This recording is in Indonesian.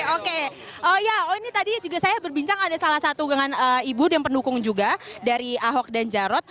oke oh ya ini tadi juga saya berbincang ada salah satu dengan ibu dan pendukung juga dari ahok dan jarot